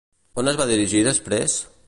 On es va dirigir després?